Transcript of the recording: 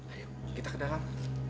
ayo kita ke dalam